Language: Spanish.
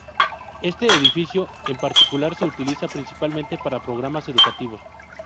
Este edificio en particular se utiliza principalmente para programas educativos.